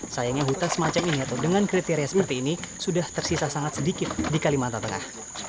sayangnya hutan semacam ini atau dengan kriteria seperti ini sudah tersisa sangat sedikit di kalimantan tengah